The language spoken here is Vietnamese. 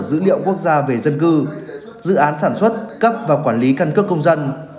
dữ liệu quốc gia về dân cư dự án sản xuất cấp và quản lý căn cước công dân